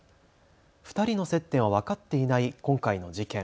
２人の接点は分かっていない今回の事件。